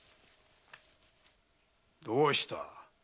どうした？